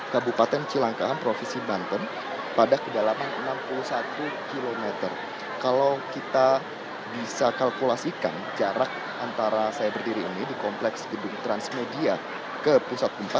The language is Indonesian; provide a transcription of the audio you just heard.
tempat yang terbaik untuk kita bisa kalkulasikan jarak antara saya berdiri ini di kompleks gedung transmedia ke pusat gemppa